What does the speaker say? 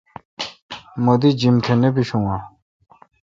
مہ دی جیم تہ نہ بیشون آں؟